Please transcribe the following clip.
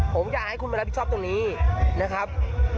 ผมอยากให้คุณมารับผิดชอบตรงนี้นะครับ